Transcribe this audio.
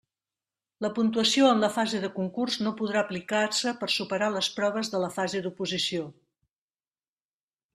La puntuació en la fase de concurs no podrà aplicar-se per superar les proves de la fase d'oposició.